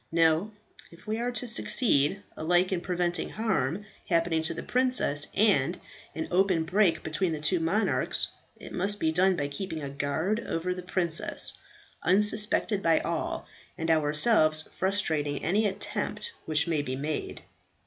No, if we are to succeed, alike in preventing harm happening to the princess, and an open break between the two monarchs, it must be done by keeping a guard over the princess, unsuspected by all, and ourselves frustrating any attempt which may be made."